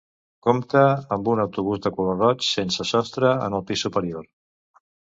Compta amb un autobús de color roig sense sostre en el pis superior.